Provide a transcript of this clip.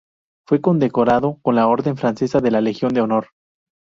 Fue condecorado con la orden francesa de la Legión de honor.